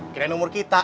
kirain umur kita